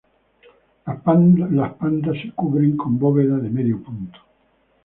Las pandas se cubren con bóveda de medio punto.